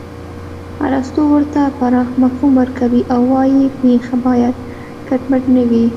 ارستو ورته پراخ مفهوم ورکوي او وايي پېښه باید کټ مټ نه وي